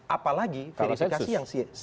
apalagi verifikasi yang